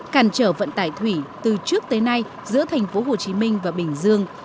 cản trở vận tài thủy từ trước tới nay giữa tp hcm và bình dương